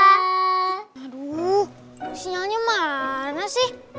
aduh sinyalnya mana sih